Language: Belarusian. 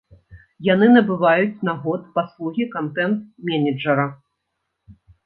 Яны набываюць на год паслугі кантэнт-менеджара.